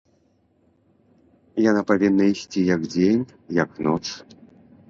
Яна павінна ісці як дзень, як ноч.